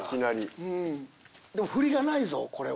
でもふりがないぞこれは。